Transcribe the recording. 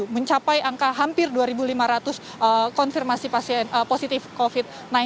mencapai angka hampir dua lima ratus konfirmasi positif covid sembilan belas